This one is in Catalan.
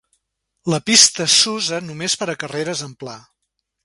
La pista s'usa només per a carreres en pla.